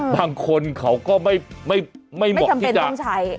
บางคนเขาก็ไม่เหมาะที่จะไม่จำเป็นต้องใช้